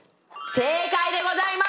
正解でございます。